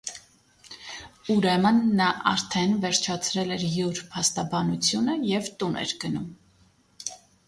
Ուրեմն նա արդեն վերջացրել էր յուր փաստաբանությունը և տուն էր գնում: